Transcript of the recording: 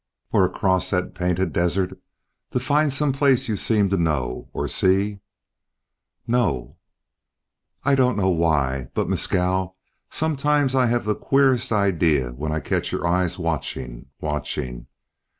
"Or across that Painted Desert to find some place you seem to know, or see?" "No." "I don't know why, but, Mescal, sometimes I have the queerest ideas when I catch your eyes watching, watching.